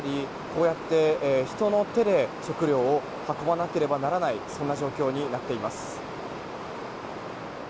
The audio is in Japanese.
こうやって人の手で食料を運ばなければならないそんな状況になっています。